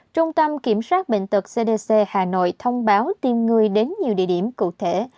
trung tâm kiểm soát bệnh tật cdc hà nội thông báo tìm người đến nhiều địa điểm cụ thể